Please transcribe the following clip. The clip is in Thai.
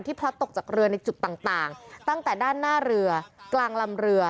พลัดตกจากเรือในจุดต่างตั้งแต่ด้านหน้าเรือกลางลำเรือ